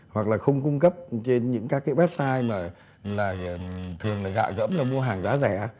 hoặc là không cung cấp trên những các website mà thường là gạ gẫm mua hàng giá rẻ